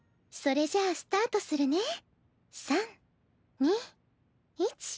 それじゃあスタートするね。